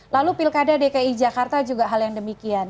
lalu pilkada dki jakarta juga hal yang demikian